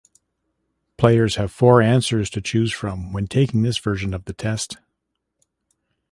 Players have four answers to choose from when taking this version of the test.